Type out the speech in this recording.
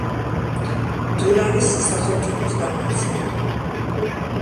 დურანის სახელმწიფოს დამაარსებელი.